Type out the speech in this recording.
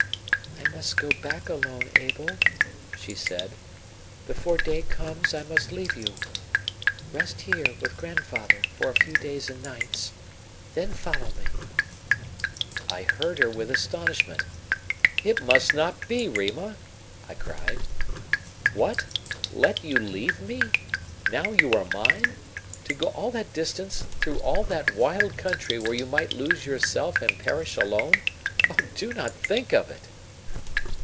"I must go back alone, Abel," she said. "Before day comes I must leave you. Rest here, with grandfather, for a few days and nights, then follow me." I heard her with astonishment. "It must not be, Rima," I cried. "What, let you leave me now you are mine to go all that distance, through all that wild country where you might lose yourself and perish alone? Oh, do not think of it!"